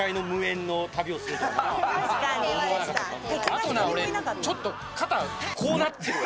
あとちょっと肩、こうなってる。